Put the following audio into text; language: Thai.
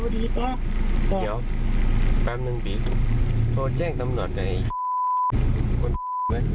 เดี๋ยวแป๊บนึงบีกโทรแจ้งตำรวจไอ้คนไอ้